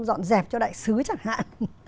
dọn dẹp cho đại sứ chẳng hạn